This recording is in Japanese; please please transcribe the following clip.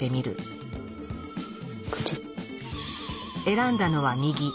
選んだのは右。